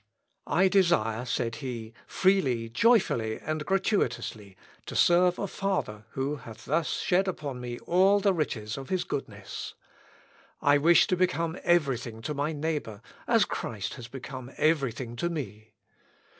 I desire," said he, "freely, joyfully, and gratuitously, to serve a Father who hath thus shed upon me all the riches of his goodness. I wish to become every thing to my neighbour, as Christ has become every thing to me."...